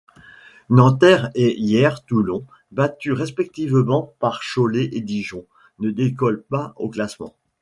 Nanterre et Hyères-Toulon, battus respectivement par Cholet et Dijon, ne décollent pas au classement.